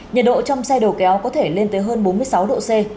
nhiệt độ trong xe đầu kéo có thể lên tới hơn bốn mươi sáu độ c